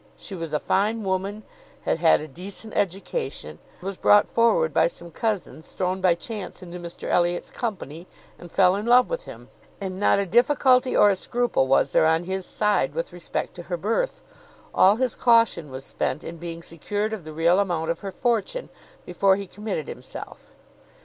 She was a fine woman, had had a decent education, was brought forward by some cousins, thrown by chance into Mr Elliot's company, and fell in love with him; and not a difficulty or a scruple was there on his side, with respect to her birth. All his caution was spent in being secured of the real amount of her fortune, before he committed himself.